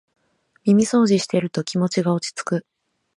耳そうじしてると気持ちが落ちつく